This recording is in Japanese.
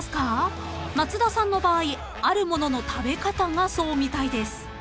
［松田さんの場合あるものの食べ方がそうみたいです］